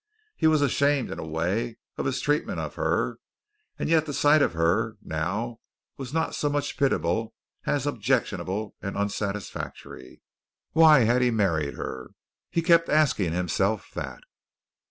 He was ashamed, in a way, of his treatment of her, and yet the sight of her now was not so much pitiable as objectionable and unsatisfactory. Why had he married her? He kept asking himself that.